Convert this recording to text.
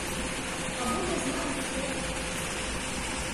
Або я знаю хто?